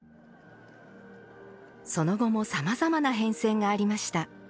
その後もさまざまな変遷がありました。